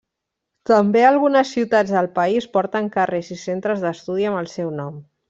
També algunes ciutats del país porten carrers i centres d'estudi amb el seu nom.